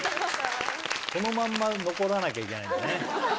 このまま残らなきゃいけないんだね。